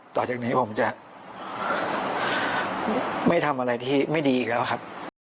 ต่อจากนี้ผมจะไม่ทำอะไรที่ไม่ดีอีกแล้วครับ